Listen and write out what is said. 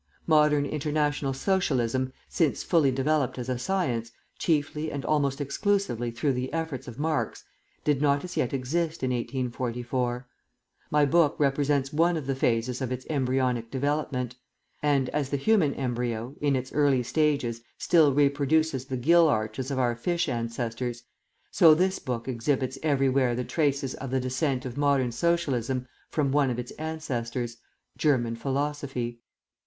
Modern international Socialism, since fully developed as a science, chiefly and almost exclusively through the efforts of Marx, did not as yet exist in 1844. My book represents one of the phases of its embryonic development; and as the human embryo, in its early stages, still reproduces the gill arches of our fish ancestors, so this book exhibits everywhere the traces of the descent of modern Socialism from one of its ancestors, German philosophy.